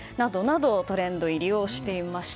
トレンド入りをしていました。